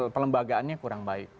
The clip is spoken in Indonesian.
pelembagaannya kurang baik